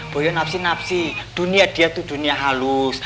boyo napsi napsi dunia dia tuh dunia halus